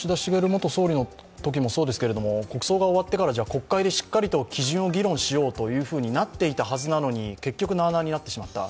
元総理のときもそうですけれども、国葬が終わってから国会でしっかりと基準を議論しようとなってたはずなのに結局、なあなあになってしまった。